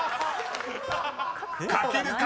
［書けるか？